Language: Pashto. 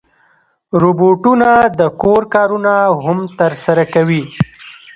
روبوټونه د کور کارونه هم ترسره کوي.